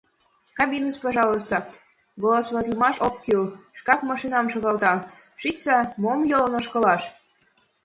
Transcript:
Кабиныш — пожалуйста, «голосоватлымаш ок кӱл, шкак машинам шогалта: шичса, мом йолын ошкылаш.